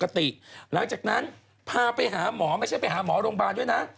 หลังจากนั้นพาไปหาหมอไม่ใช่ไปหาหมอโรงพยาบาลด้วยนะ